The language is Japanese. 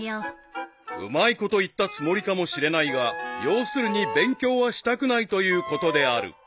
［うまいこと言ったつもりかもしれないが要するに勉強はしたくないということである］